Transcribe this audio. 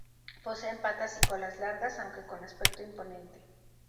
Poseen patas y cola largas, aunque con aspecto imponente.